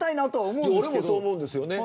俺もそう思うんです。